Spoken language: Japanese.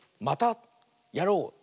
「またやろう！」。